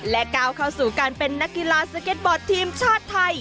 ก้าวเข้าสู่การเป็นนักกีฬาสเก็ตบอร์ดทีมชาติไทย